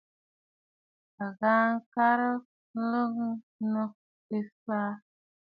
A ghaa ŋkarə nlɔɔ nɨ̂ ɨ̀fàʼà.